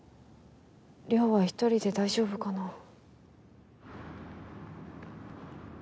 稜は１人で大丈夫かな？